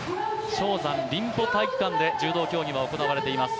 蕭山臨浦体育館で柔道競技会は行われています。